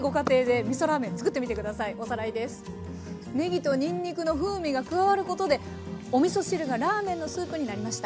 ねぎとにんにくの風味が加わることでおみそ汁がラーメンのスープになりました。